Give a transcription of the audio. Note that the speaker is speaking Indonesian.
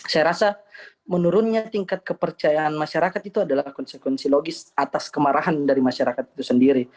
saya rasa menurunnya tingkat kepercayaan masyarakat itu adalah konsekuensi logis atas kemarahan dari masyarakat itu sendiri